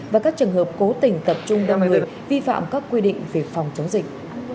và các trường hợp cố tình tập trung đông người vi phạm các quy định về phòng chống dịch